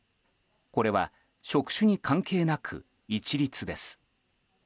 これは職種に関係なく一律です。